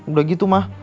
udah gitu ma